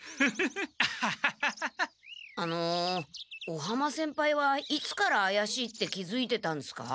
尾浜先輩はいつからあやしいって気づいてたんですか？